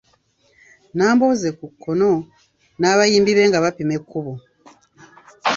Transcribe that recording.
Nambooze (ku kkono) n’abayambi be nga bapima ekkubo.